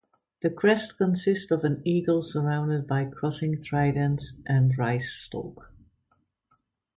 The crest consists of an eagle surrounded by crossing tridents and rice stalk.